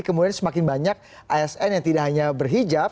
kemudian semakin banyak asn yang tidak hanya berhijab